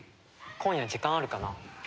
今夜時間あるかな？